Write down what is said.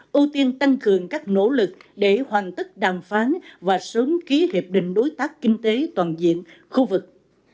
các nghị viện thành viên ipa đề xuất để hoàn tất đàm phán và sớm ký hiệp định đối tác kinh tế toàn diện khu vực